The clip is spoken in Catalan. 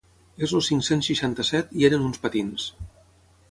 És el cinc-cents seixanta-set i eren uns patins.